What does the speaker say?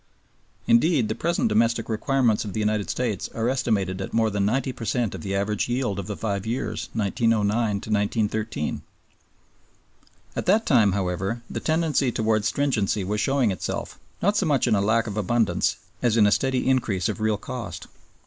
Indeed, the present domestic requirements of the United States are estimated at more than ninety per cent of the average yield of the five years 1909 1913. At that time, however, the tendency towards stringency was showing itself, not so much in a lack of abundance as in a steady increase of real cost.